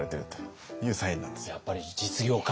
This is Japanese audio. やっぱり実業家。